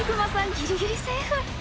ギリギリセーフ「